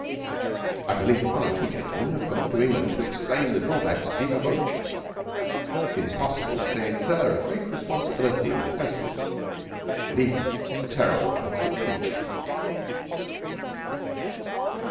I believe that one or two gentlemen have gone to England to explain the drawbacks viva voce. It is possible that they incur a great responsibility in the present, and even a terrible one for the future.